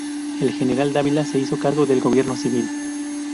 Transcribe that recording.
El general Dávila se hizo cargo del gobierno civil.